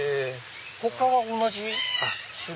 他は同じ種類？